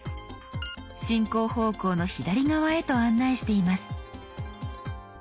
進行方向の左側へと案内しています。